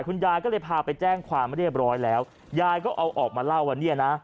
คุณยายก็เลยพาไปแจ้งความเรียบร้อยแล้วยายก็เอาออกมาเล่าว่าเนี่ยนะ